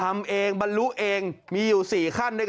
ทำเองบรรลุเองมีอยู่๔ขั้นด้วยกัน